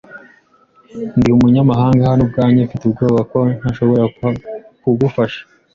Ndi umunyamahanga hano ubwanjye. Mfite ubwoba ko ntashobora kugufasha.